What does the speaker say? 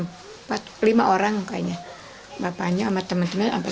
bapaknya sama teman temannya sampai sekarang udah gak ada teman temannya bapak